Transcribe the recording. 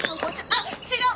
あっ違う。